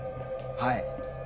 はい。